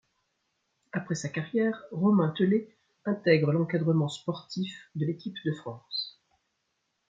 Après sa carrière, Romain Teulet intègre l'encadrement sportif de l'équipe de France.